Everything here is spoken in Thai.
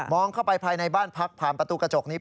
เข้าไปภายในบ้านพักผ่านประตูกระจกนี้